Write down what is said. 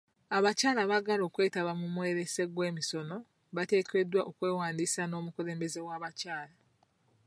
Abakyala abaagala okwetaba mu mwolese gw'emisono bateekeddwa okwewandiisa n'omukulembeze w'abakyala.